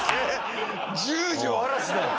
十条嵐だ。